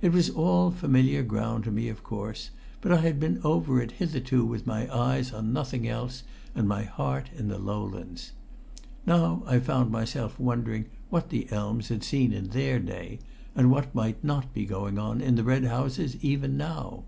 It was all familiar ground to me, of course, but I had been over it hitherto with my eyes on nothing else and my heart in the Lowlands. Now I found myself wondering what the elms had seen in their day, and what might not be going on in the red houses even now.